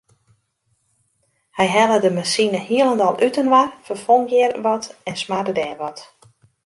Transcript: Hy helle de masine hielendal útinoar, ferfong hjir wat en smarde dêr wat.